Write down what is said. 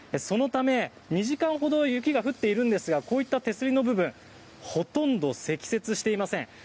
そのため２時間ほど雪が降っているんですがこういった手すりの部分ほとんど積雪していません。